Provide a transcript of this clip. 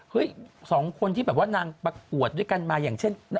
เฮ้ยสองคนที่บอกว่านางปรากวดด้วยกันมายังเช่น